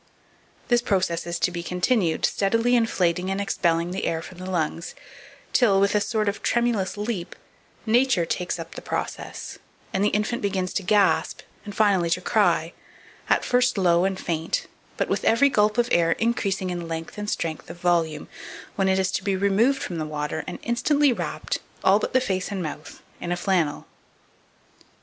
This process is to be continued, steadily inflating and expelling the air from the lungs, till, with a sort of tremulous leap, Nature takes up the process, and the infant begins to gasp, and finally to cry, at first low and faint, but with every gulp of air increasing in length and strength of volume, when it is to be removed from the water, and instantly wrapped (all but the face and mouth) in a flannel.